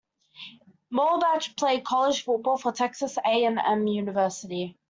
Muhlbach played college football for Texas A and M University.